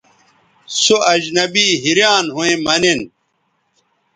سو اجنبی حیریان َھویں مہ نِن